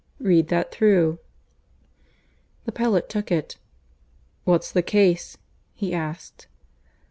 "Read that through." The prelate took it. "What's the case?" he asked.